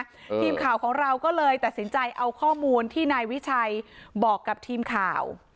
ทีมข่าวของเราก็เลยตัดสินใจเอาข้อมูลที่นายวิชัยบอกกับทีมข่าว